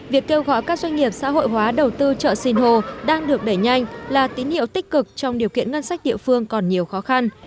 việc kêu gọi các doanh nghiệp xã hội hóa đầu tư chợ sinh hồ đang được đẩy nhanh là tín hiệu tích cực trong điều kiện ngân sách địa phương còn nhiều khó khăn